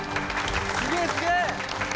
すげえすげえ！